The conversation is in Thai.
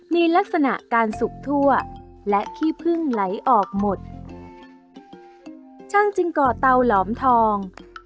มีลักษณะการสุกทั่วและขี้พึ่งไหลออกหมดช่างจึงก่อเตาหลอมทอง